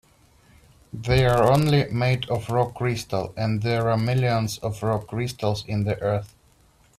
They're only made of rock crystal, and there are millions of rock crystals in the earth.